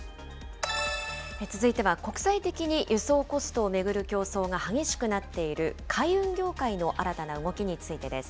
続いては国際的に輸送コストを巡る競争が激しくなっている海運業界の新たな動きについてです。